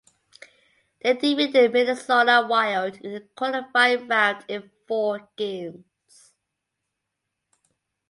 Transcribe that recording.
They defeated the Minnesota Wild in the qualifying round in four games.